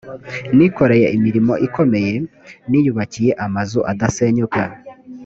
nikoreye imirimo ikomeye niyubakiye amazu adasenyuka.